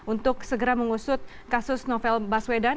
untuk segera mengusut kasus novel baswedan